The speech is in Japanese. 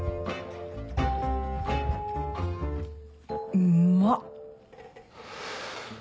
うまっ。